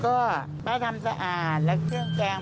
ก็ได้ทำสะอาดและเครื่องแกง